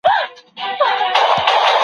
کله استخباراتي همکاري اړینه ده؟